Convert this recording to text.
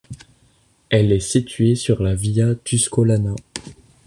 Elle est située sur la via Tuscolana.